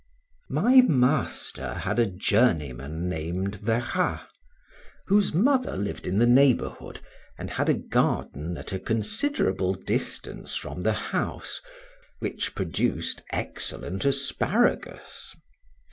My master had a journeyman named Verrat, whose mother lived in the neighborhood, and had a garden at a considerable distance from the house, which produced excellent asparagus.